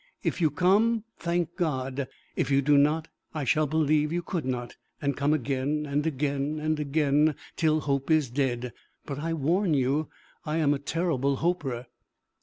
If you come, thank God! if you do not, I shall believe you could not, and come again and again and again, till hope is dead. But I warn you I am a terrible hoper.